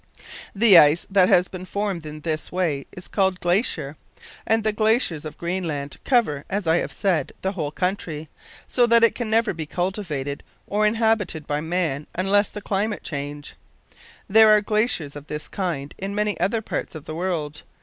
The ice that has been formed in this way is called glacier; and the glaciers of Greenland cover, as I have said, the whole country, so that it can never be cultivated or inhabited by man unless the climate change. There are glaciers of this kind in many other parts of the world.